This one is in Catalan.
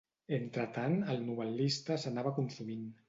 Entretant el novel·lista s'anava consumint.